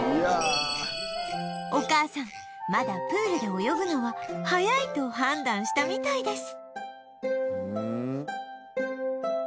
お母さんまだプールで泳ぐのは早いと判断したみたいです